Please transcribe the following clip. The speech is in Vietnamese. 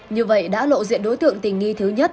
như vậy đã lộ diện đối tượng tình nghi thứ nhất